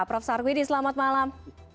prof sarwidi selamat malam